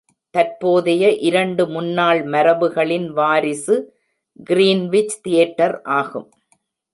தற்போதைய இரண்டு முன்னாள் மரபுகளின் வாரிசு கிரீன்விச் தியேட்டர் ஆகும்.